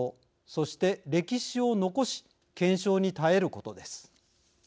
そして、歴史を残し検証に耐えることです。